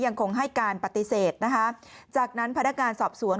ยังคงให้การปฏิเสธนะคะจากนั้นพนักงานสอบสวน